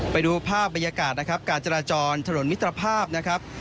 ไปดูภาพบรรยากาศนะครับการจราจรถนนมิตรภาพนะครับ